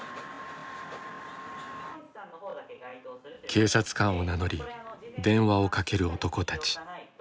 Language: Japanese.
警察官を名乗り電話をかける男たち。